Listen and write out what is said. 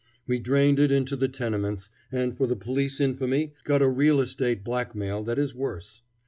We drained it into the tenements, and for the police infamy got a real estate blackmail that is worse.